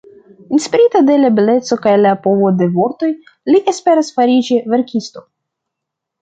Inspirita de la beleco kaj la povo de vortoj, li esperas fariĝi verkisto.